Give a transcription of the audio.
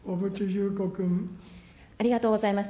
ありがとうございます。